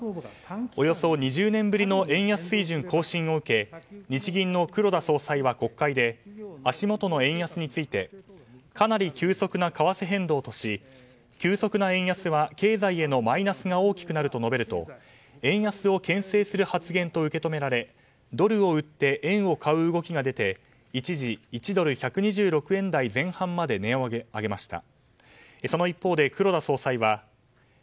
およそ２０年ぶりの円安水準更新を受け日銀の黒田総裁は国会で足元の円安についてかなり急速な為替変動とし急速な円安は経済にもマイナスが大きくなると述べると円安をけん制する発言と受け止められ、ドルを売って円を買う動きが出て一時１ドル＝１２６円台前半まで値を上げました。